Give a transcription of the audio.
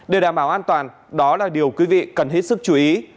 để đảm bảo an toàn đó là điều quý vị cần hết sức chú ý